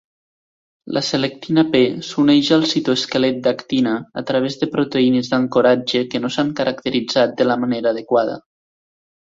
La selectina P s'uneix al citoesquelet d'actina a través de proteïnes d'ancoratge que no s'han caracteritzat de la manera adequada.